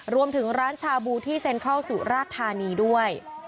รวมถึงร้านชาบูที่เซ็นเข้าสุราชธานีด้วย